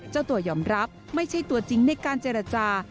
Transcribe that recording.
เจ้าตัวยอมรับไม่ใช่ตัวจริงในการเจรจา